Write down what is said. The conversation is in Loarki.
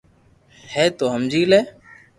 ھي تو ھمجي لي